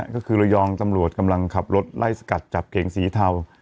ก็คือระยองตำรวจกำลังขับรถไล่สกัดจับเก่งสีเทา